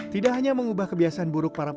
sekarang kita boleh berbicara sama orang lain